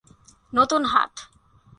নতুন হাট।